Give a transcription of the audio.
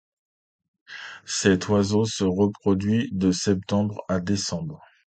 Cet oiseau se reproduit de septembre à décembre.